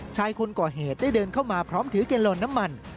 ชายคนก่อเหตุได้เดินเข้ามาพร้อมถือเกลลอนน้ำมัน